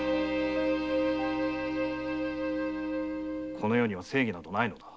この世に正義などない。